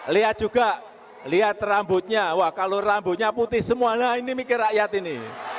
lihat juga lihat rambutnya wah kalau rambutnya putih semuanya ini mikir rakyat ini